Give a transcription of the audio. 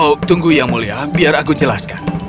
oh tunggu yang mulia biar aku jelaskan